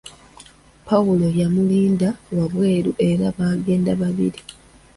Pawulo yamulinda wabweru era baagenda babiri.